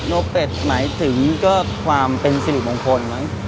โน้ทเป็ดหมายถึงก็ความเป็นสรุปของคนมั้ง